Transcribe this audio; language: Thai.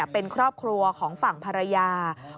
เป็นครอบครัวของฝั่งภรรยา